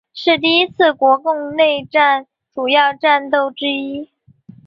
是第一次国共内战主要战斗之一。